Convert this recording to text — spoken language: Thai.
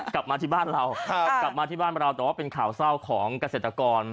กลับมาที่บ้านเราแต่ว่าเป็นข่าวเศร้าของเกษตรกร